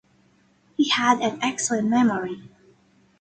He had an excellent memory.